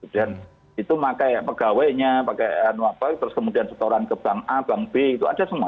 dan itu pakai pegawainya pakai anu apa terus kemudian setoran ke bank a bank b itu aja semua